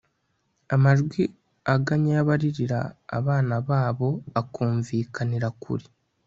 amajwi aganya y'abaririra abana babo akumvikanira kure